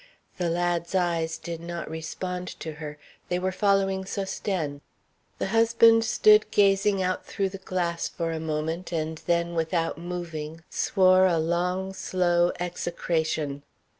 The lad's eyes did not respond to her; they were following Sosthène. The husband stood gazing out through the glass for a moment, and then, without moving, swore a long, slow execration.